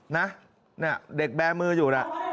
นี่เด็กแบมืออยู่ล่ะ